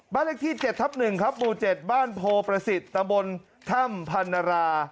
บ้านเลขที่๗ทับ๑ครับหมู่๗บ้านโพประสิทธิ์ตำบลถ้ำพันรา